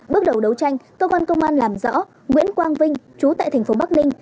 bước đầu đấu tranh cơ quan công an làm rõ nguyễn quang vinh chú tại thành phố bắc ninh